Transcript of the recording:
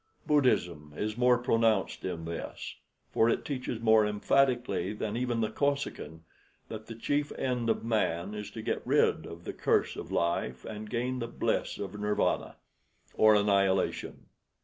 Buddhism is more pronounced in this, for it teaches more emphatically than even the Kosekin that the chief end of man is to get rid of the curse of life and gain the bliss of Nirvana, or annihilation.